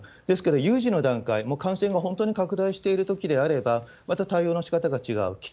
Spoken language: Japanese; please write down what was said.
ですけど、有事の段階、もう感染が本当に拡大しているときであれば、また対応のしかたが違う。